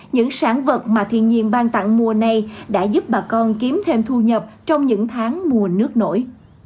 những sản vật mà thiên nhiên ban tặng mùa này đã giúp bà con kiếm thêm thu nhập trong những tháng mùa nước nổi